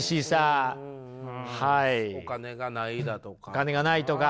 お金がないとか。